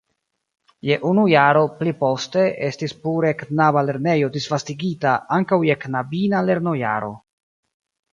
Je unu jaro pli poste estis pure knaba lernejo disvastigita ankaŭ je knabina lernojaro.